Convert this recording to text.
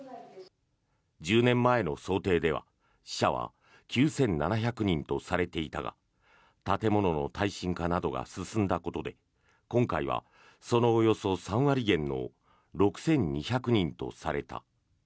１０年前の想定では死者は９７００人とされていたが建物の耐震化などが進んだことで今回はそのおよそ３割減の６２００人とされた。